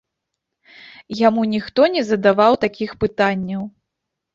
Яму ніхто не задаваў такіх пытанняў!